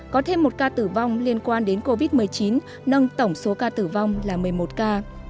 có thêm một ca tử vong liên quan đến covid một mươi chín nâng tổng số ca tử vong là một mươi một ca